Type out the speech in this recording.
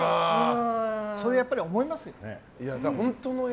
それはやっぱり思いますよね。